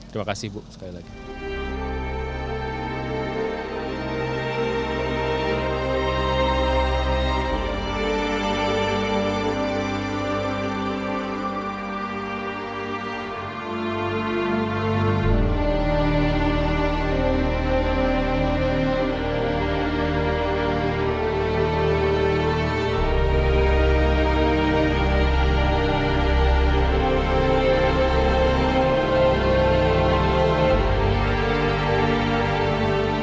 kami berharap kita berjalan yang terbaik